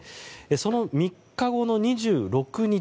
その３日後の２６日